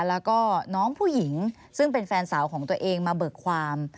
แล้วก็น้องผู้หญิงซึ่งเป็นแฟนสาวของตัวเองมาเบิกความ